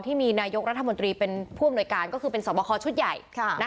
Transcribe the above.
ที่มีนายกรัฐมนตรีเป็นผู้อำนวยการก็คือเป็นสอบคอชุดใหญ่